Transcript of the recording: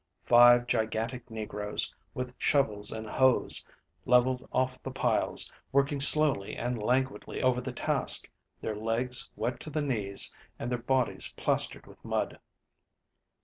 Five gigantic negroes, with shovels and hoes, leveled off the piles, working slowly and languidly over the task, their legs wet to the knees and their bodies plastered with mud.